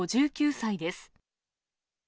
５９歳です。